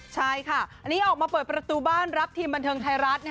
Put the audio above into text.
ใช่ค่ะอันนี้ออกมาเปิดประตูบ้านรับทีมบันเทิงไทยรัฐ